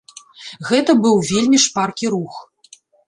Гэта быў вельмі шпаркі рух.